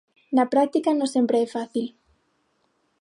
Na práctica non sempre é fácil.